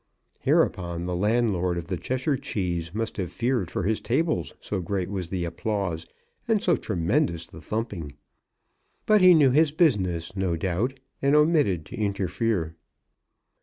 Hereupon the landlord of the Cheshire Cheese must have feared for his tables, so great was the applause and so tremendous the thumping; but he knew his business, no doubt, and omitted to interfere.